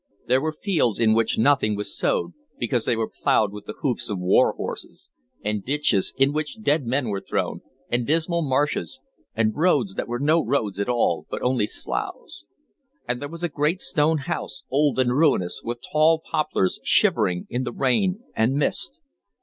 There were fields in which nothing was sowed because they were ploughed with the hoofs of war horses, and ditches in which dead men were thrown, and dismal marshes, and roads that were no roads at all, but only sloughs. And there was a great stone house, old and ruinous, with tall poplars shivering in the rain and mist.